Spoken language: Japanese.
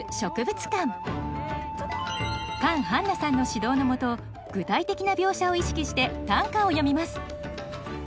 カン・ハンナさんの指導のもと具体的な描写を意識して短歌を詠みます